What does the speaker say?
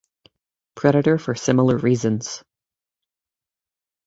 Predator for similar reasons.